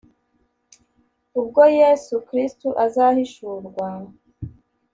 ubwo yesu kristo azahishurwa